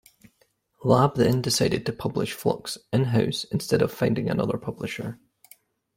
Lab then decided to publish "Fluxx" in house instead of finding another publisher.